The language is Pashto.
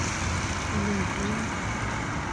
🫘 لبیا